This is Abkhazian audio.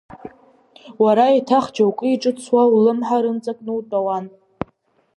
Уара еиҭах џьоукы иҿыцӡа улымҳа рымҵакны утәауан.